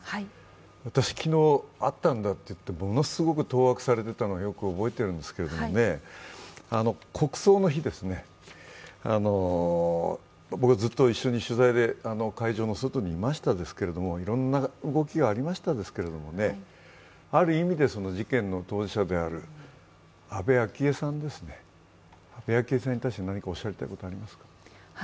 私、昨日会ったんだと言ってものすごく当惑されていたのをよく覚えているんですけれども、国葬の日、僕はずっと一緒に取材で会場の外にいましたけれどもいろんな動きがありましたが、ある意味で事件の当事者である安倍昭恵さんに対して何かおっしゃりたいことはありますか？